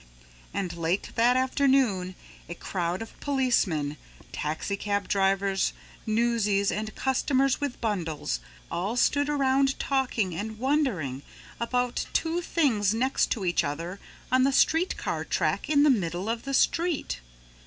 And late that afternoon a crowd of policemen, taxicab drivers, newsies and customers with bundles, all stood around talking and wondering about two things next to each other on the street car track in the middle of the street.